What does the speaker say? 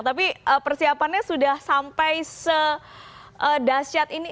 tapi persiapannya sudah sampai sedasyat ini